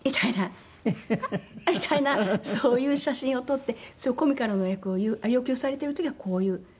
みたいなそういう写真を撮ってそういうコミカルな役を要求されている時はこういう。